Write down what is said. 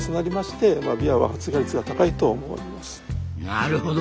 なるほど。